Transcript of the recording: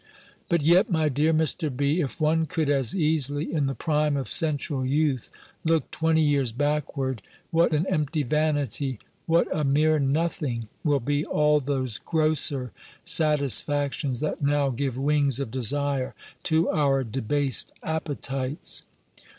"But yet, my dear Mr. B., if one could as easily, in the prime of sensual youth, look twenty years backward, what an empty vanity, what a mere nothing, will be all those grosser satisfactions, that now give wings of desire to our debased appetites!